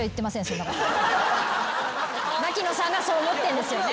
槙野さんがそう思ってんですよね？